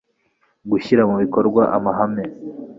Gushyira mu bikorwa amahame